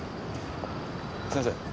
先生？